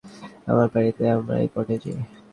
যে মেয়ের সাথে সে প্রথম শুয়েছে আমার পার্টিতে, আমারই কটেজে!